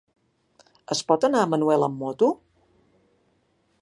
Es pot anar a Manuel amb moto?